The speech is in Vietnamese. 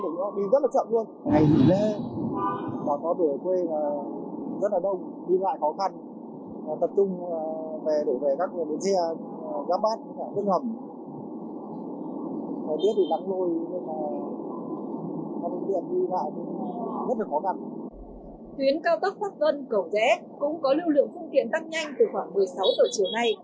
tuyến cao tốc pháp vân cầu dế cũng có lưu lượng phương tiện tăng nhanh từ khoảng một mươi sáu giờ chiều nay